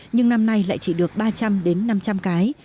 nhưng năm nay lại chỉ được ba trăm linh đến năm trăm linh cái